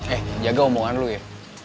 eh jaga omongan lu ya